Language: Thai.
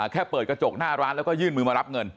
แค่เปิดกระจกหน้าร้านแล้วก็ยื่นมือมารับเงิน